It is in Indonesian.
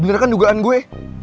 bener kan dugaan gue